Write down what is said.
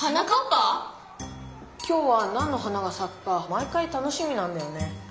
今日はなんの花がさくか毎回楽しみなんだよね。